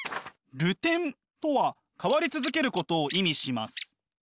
「流転」とは変わり続けることを意味します。